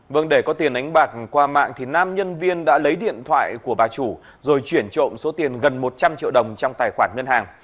vâng để có tiền đánh bạc qua mạng thì nam nhân viên đã lấy điện thoại của bà chủ rồi chuyển trộm số tiền gần một trăm linh triệu đồng trong tài khoản ngân hàng